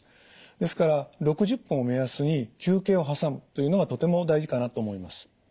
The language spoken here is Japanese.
ですから６０分を目安に休憩を挟むというのがとても大事かなと思います。